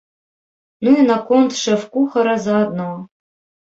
Ну і наконт шэф-кухара заадно.